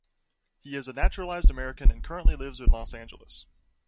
He is a naturalized American and currently lives in Los Angeles.